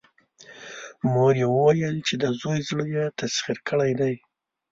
مور يې وويل چې د زوی زړه يې تسخير کړی دی.